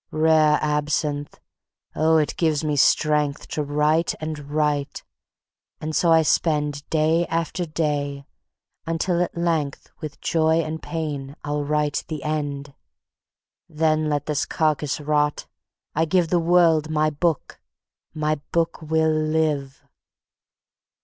Rare Absinthe! Oh, it gives me strength To write and write; and so I spend Day after day, until at length With joy and pain I'll write The End: Then let this carcase rot; I give The world my Book my Book will live.